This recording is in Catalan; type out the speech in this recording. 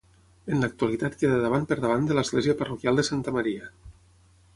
En l'actualitat queda davant per davant de l'església parroquial de Santa Maria.